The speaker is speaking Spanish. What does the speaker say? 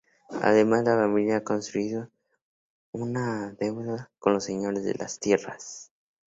Además, la familia ha contraído una deuda con los señores de las tierras.